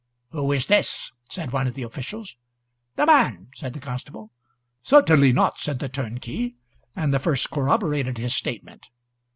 "Who is this?" said one of the officials. "The man," said the constable. "Certainly not," said the other turnkey, and the first corroborated his statement.